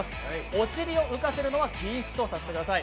お尻を浮かせるのは禁止とさせてください。